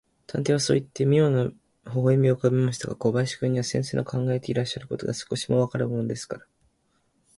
探偵はそういって、みょうな微笑をうかべましたが、小林君には、先生の考えていらっしゃることが、少しもわからぬものですから、